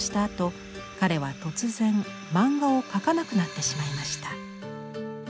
あと彼は突然漫画を描かなくなってしまいました。